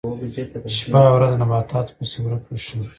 شپه او ورځ نباتاتو پسې ورک وي ښه.